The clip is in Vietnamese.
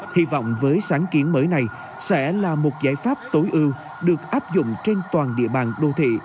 hy vọng với sáng kiến mới này sẽ là một giải pháp tối ưu được áp dụng trên toàn địa bàn đô thị